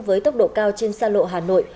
với tốc độ cao trên xa lộ hà nội